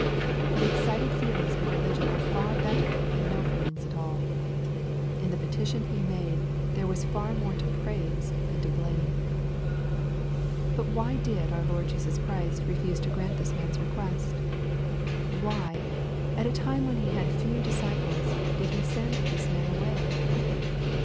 But excited feelings in religion are far better than no feelings at all. In the petition he made, there was far more to praise than to blame. But why did our Lord Jesus Christ refuse to grant this man's request ? Why, at a time when he had few disciples, did He send this man away